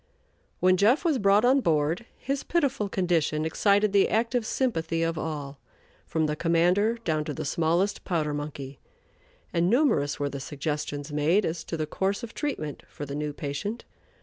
When "Jeff" was brought on board, his pitiful condition excited the active sympathy of all, from the commander down to the smallest powder monkey, and numerous were the suggestions made as to the course of treatment for the new patient.